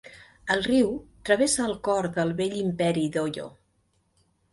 El riu travessa el cor del vell Imperi d'Oyo.